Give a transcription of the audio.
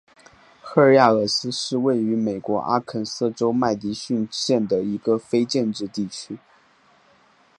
赫亚尔思是位于美国阿肯色州麦迪逊县的一个非建制地区。